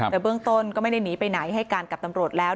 แต่เบื้องต้นก็ไม่ได้หนีไปไหนให้การกับตำรวจแล้ว